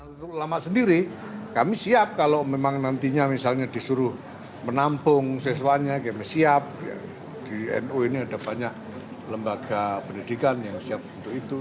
untuk ulama sendiri kami siap kalau memang nantinya misalnya disuruh menampung siswanya kami siap di nu ini ada banyak lembaga pendidikan yang siap untuk itu